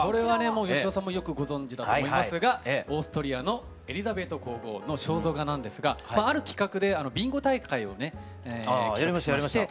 もう芳雄さんもよくご存じだと思いますがオーストリアのエリザベート皇后の肖像画なんですがある企画でビンゴ大会をね。ああやりましたやりました。